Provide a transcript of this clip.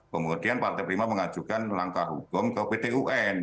kemudian partai prima mengajukan langkah hukum ke pt un